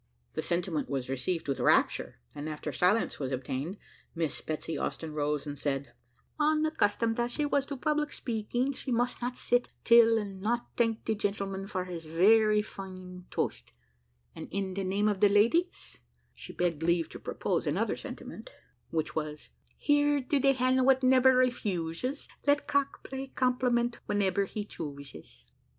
The sentiment was received with rapture; and after silence was obtained, Miss Betsy Austin rose and said "Unaccustomed as she was to public 'peaking, she must not sit 'till and not tank de gentleman for his very fine toast, and in de name of de ladies," she begged leave to propose another sentimen, which was "Here to de hen what nebber refuses, Let cock pay compliment whenebber he chooses."